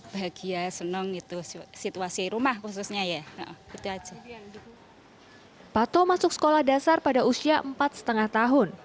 pato masuk sekolah dasar pada usia empat lima tahun